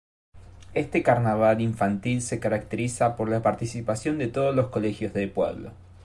Este carnaval infantil se caracteriza por la participación de todos los colegios del pueblo.